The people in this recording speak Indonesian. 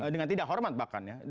dengan tidak hormat bahkan ya